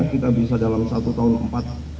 kita bisa dalam satu tahun empat